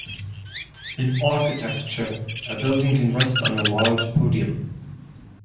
In architecture a building can rest on a large podium.